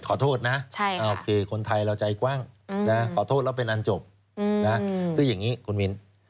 ขอโทษนะโอเคคนไทยเราใจกว้างนะขอโทษเราเป็นอันจบนะด้วยอย่างนี้คุณมิน